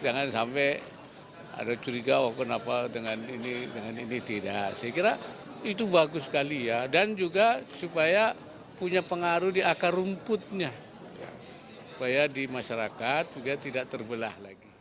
jangan sampai ada curiga oh kenapa dengan ini dengan ini tidak saya kira itu bagus sekali ya dan juga supaya punya pengaruh di akar rumputnya supaya di masyarakat tidak terbelah lagi